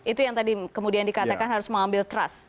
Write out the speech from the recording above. itu yang tadi kemudian dikatakan harus mengambil trust